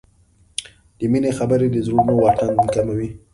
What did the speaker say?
د مینې خبرې د زړونو واټن کموي.